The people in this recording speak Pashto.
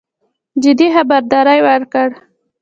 جدي خبرداری ورکړ.